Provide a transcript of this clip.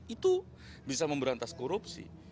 itu bisa memberantas korupsi